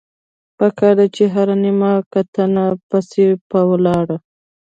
پکار ده چې هره نيمه ګنټه پس پۀ ولاړه